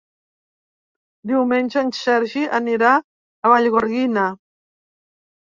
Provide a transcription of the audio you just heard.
Diumenge en Sergi anirà a Vallgorguina.